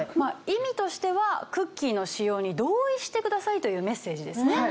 意味としてはクッキーの使用に同意してくださいというメッセージですね。